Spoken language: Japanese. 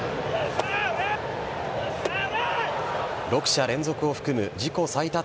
６者連続を含む自己最多